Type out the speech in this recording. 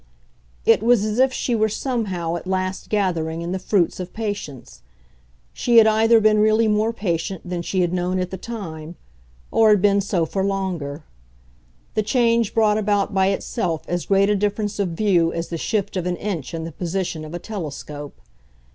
It was as if she were somehow at last gathering in the fruits of patience; she had either been really more patient than she had known at the time, or had been so for longer: the change brought about by itself as great a difference of view as the shift of an inch in the position of a telescope.